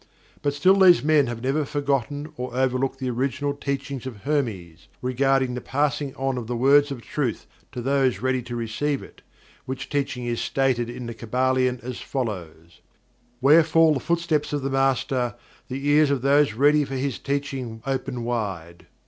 But still these men have never forgotten or overlooked the original teachings of Hermes, regarding the passing on of the words of truth to those ready to receive it, which teaching is stated in The Kybalion as follows: "Where fall the footsteps of the Master, the ears of those ready for his Teaching open wide."